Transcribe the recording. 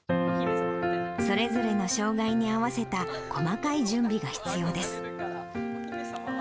それぞれの障がいに合わせた細かい準備が必要です。